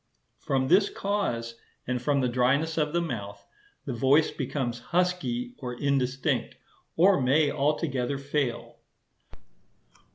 From this cause, and from the dryness of the mouth, the voice becomes husky or indistinct, or may altogether fail.